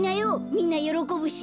みんなよろこぶし。